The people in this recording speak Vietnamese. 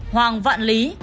hoàng vạn lý